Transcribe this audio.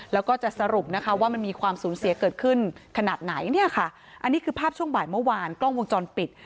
แล้วก็จะสรุปนะคะว่ามันมีความสูญเสียเกิดขึ้นขนาดไหนเนี่ยค่ะอันนี้คือภาพช่วงบ่ายเมื่อวานกล้องวงจรปิด